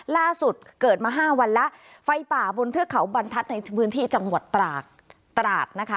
ล่าสุดเกิดมาห้าวันแล้วไฟป่าบนเทือกเขาบรรทัศน์ในพื้นที่จังหวัดตราดนะคะ